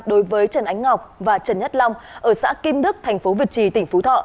đối với trần ánh ngọc và trần nhất long ở xã kim đức thành phố việt trì tỉnh phú thọ